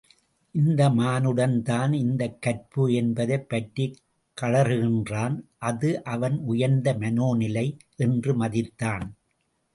இந்தமானுடன் தான் இந்தக் கற்பு என்பதைப் பற்றிக் கழறுகின்றான் அது அவன் உயர்ந்த மனோ நிலை என்று மதித்தான்.